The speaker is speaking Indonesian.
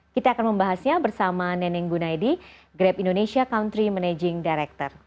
kita akan membahasnya bersama neneng gunaydi grab indonesia country managing director